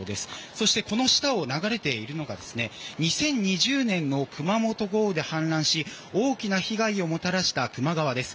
そして、この下を流れているのが２０２０年の熊本豪雨で氾濫し大きな被害をもたらした球磨川です。